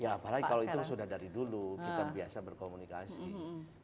ya apalagi kalau itu sudah dari dulu kita biasa berkomunikasi